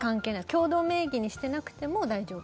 共同名義にしてなくても大丈夫？